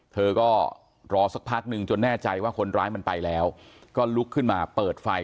เธอก็รอสักพักนึงจนแน่ใจว่าคนร้ายมันไปแล้วก็ลุกขึ้นมาเปิดไฟ